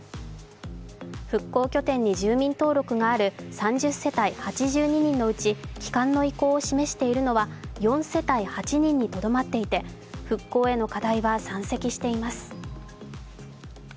復興拠点に住民登録がある３０世帯８２人のうち帰還の意向を示しているのは４世帯８人にとどまっていて復興への課題は山積しています。